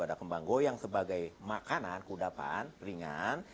ada kembang goyang sebagai makanan keudapan ringan